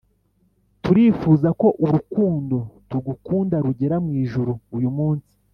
turifuza ko urukundo tugukunda rugera mwijuru uyu munsi